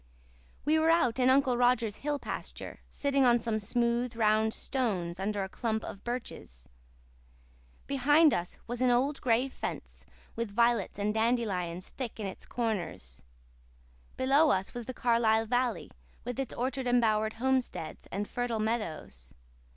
We were out in Uncle Roger's hill pasture, sitting on some smooth, round stones under a clump of birches. Behind us was an old gray fence, with violets and dandelions thick in its corners. Below us was the Carlisle valley, with its orchard embowered homesteads, and fertile meadows.